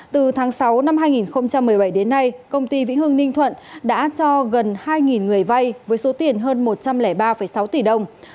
từ tháng sáu năm hai nghìn một mươi bảy đến nay công ty vĩnh hưng ninh thuận đã cho gần hai người vay với số tiền hơn một trăm linh ba sáu tỷ đồng